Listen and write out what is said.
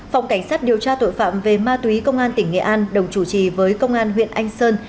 phòng cảnh sát điều tra tội phạm về ma túy công an tỉnh nghệ an đồng chủ trì với công an huyện anh sơn